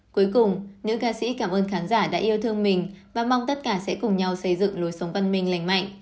cuối cùng nữ ca sĩ cảm ơn khán giả đã yêu thương mình và mong tất cả sẽ cùng nhau xây dựng lối sống văn minh lành mạnh